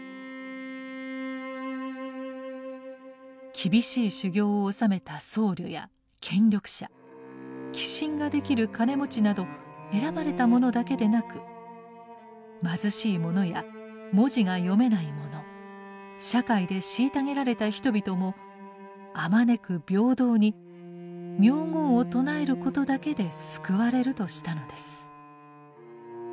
厳しい修行をおさめた僧侶や権力者寄進ができる金持ちなど選ばれた者だけでなく貧しい者や文字が読めない者社会で虐げられた人々もあまねく平等に名号を称えることだけで救われるとしたのです。